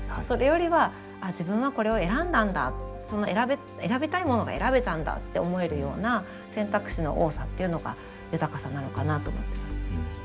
それよりは自分はこれを選んだんだ選びたいものが選べたんだって思えるような選択肢の多さっていうのが豊かさなのかなと思ってます。